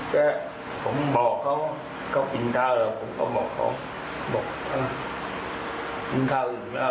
แกผมบอกเขาเขากินข้าวแล้วผมก็บอกเขา